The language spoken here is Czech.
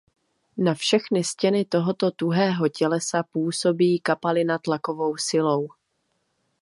Na všechny stěny tohoto tuhého tělesa působí kapalina tlakovou silou.